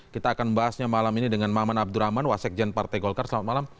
kita akan bahasnya malam ini dengan maman abdurrahman wasekjen partai golkar selamat malam